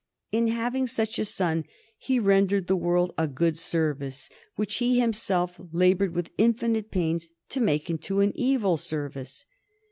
In having such a son he rendered the world a good service, which he himself labored with infinite pains to make into an evil service.